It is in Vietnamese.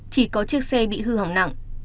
chỉ có chiếc xe bị hư hỏng nặng